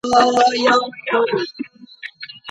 ولي لېواله انسان د لوستي کس په پرتله بریا خپلوي؟